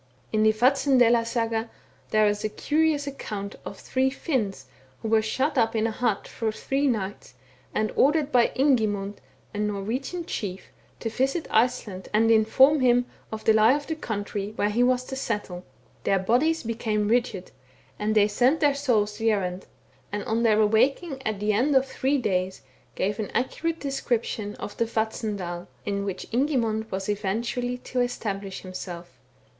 In the Vatnsdsela Saga, there is a curious accoimt of three Finns, who were shut up in a hut for three nights, and ordered by Ingimund, a Norwegian chief, to visit Iceland and inform him of the lie of the country, where he was to settle. Their bodies became rigid, and they sent their souls the errand, and, on their awaking at the end of three days, gave an accurate description of the Vatnsdal, in which . Ingimund was eventually to establish himself.